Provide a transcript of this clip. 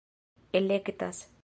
elektas